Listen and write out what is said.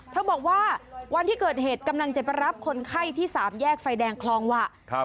บอกว่าวันที่เกิดเหตุกำลังจะไปรับคนไข้ที่๓แยกไฟแดงคลองหวะ